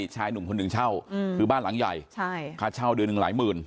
ชายหนุ่มคนหนึ่งเช่าคือบ้านหลังใหญ่ค่าเช่าเดือนหนึ่งหลายหมื่น